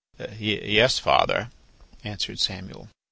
"Yes, father," answered Samuel.